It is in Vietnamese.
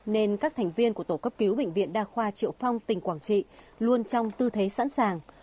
nên các thành viên của tổ cấp cứu bệnh viện đa khoa triệu phong tỉnh quảng trị luôn trong tư thế sẵn sàng